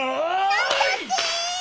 なんだって！